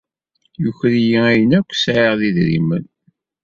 Yuker-iyi ayen akk sɛiɣ d idrimen.